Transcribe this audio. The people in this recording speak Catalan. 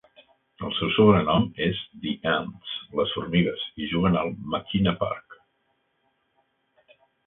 El seu sobrenom és "the Ants" (les formigues) i juguen al McKenna Park.